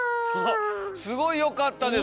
すごい良かったです！